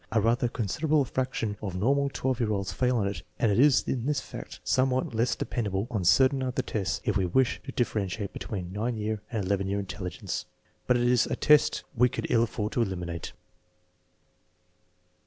A rather considerable fraction of normal 12 year olds fail on it, and it is in fact somewhat less dependable than certain other tests if we wish to differentiate between 9 year and 11 year intelligence. But it is a test we could ill afford to eliminate.